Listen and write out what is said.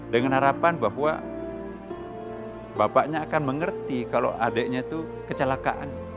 dengan harapan bahwa bapaknya akan mengerti kalau adiknya itu kecelakaan